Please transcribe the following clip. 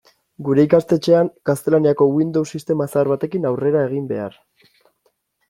Gure ikastetxean gaztelaniazko Windows sistema zahar batekin aurrera egin behar.